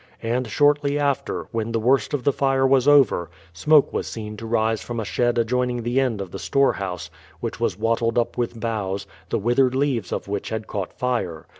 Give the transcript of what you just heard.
And shortly after, when the worst of the fire was over, smoke was seen to rise from a shed adjoining the end of the storehouse, which was wattled up with boughs, the withered leaves of which had caught fire.